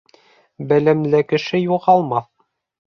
Белемле кеше юғалмаҫ.